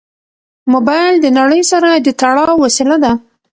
موبایل د نړۍ سره د تړاو وسیله ده.